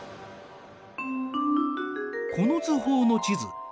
この図法の地図